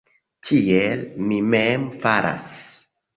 Tiel mi mem faras.